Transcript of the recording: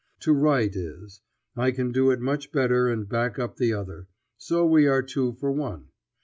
To write is; I can do it much better and back up the other; so we are two for one.